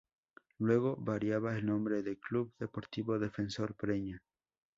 Luego variaría al nombre de Club Deportivo Defensor Breña.